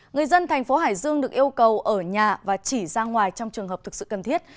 người dân thành phố hải dương được yêu cầu ở nhà và chỉ ra ngoài trong trường hợp thực sự cần thiết